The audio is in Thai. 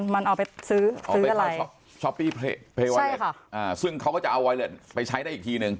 มันเอาไปซื้อซื้ออะไรอ่าซึ่งเขาก็จะเอาไปใช้ได้อีกทีหนึ่ง